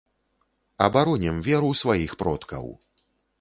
Абаронім веру сваіх продкаў.